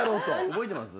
覚えてます？